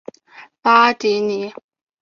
巴蒂尼。